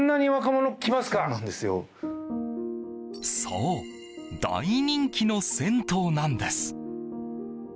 そう、大人気の銭湯なんです。